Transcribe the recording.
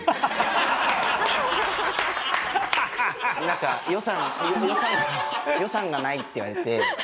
なんか予算予算がないって言われて。